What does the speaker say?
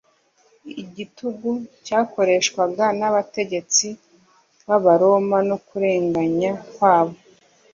Igitugu cyakoreshwaga n'abategetsi b'Abaroma no kurenganya kwabo